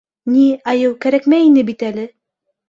— Ни... айыу кәрәкмәй ине бит әле...